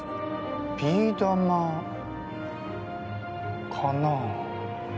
ビー玉かな？